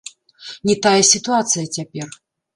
Не тая сітуацыя цяпер.